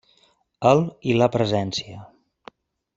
El i la presència.